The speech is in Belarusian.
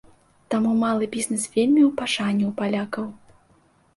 Таму малы бізнэс вельмі ў пашане ў палякаў.